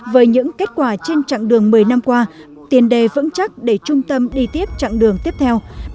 với những kết quả trên chặng đường một mươi năm qua tiền đề vững chắc để trung tâm đi tiếp trạng đường tiếp theo